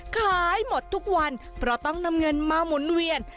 ขายหมดทุกวันเพราะต้องนำเงินมาหมุนเวียน